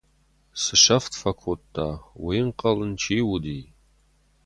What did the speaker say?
Цы сӕфт фӕкодта, уый ӕнхъӕл ын чи уыди!